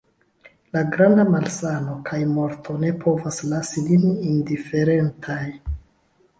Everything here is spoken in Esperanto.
La granda malsano kaj morto ne povas lasi nin indiferentaj.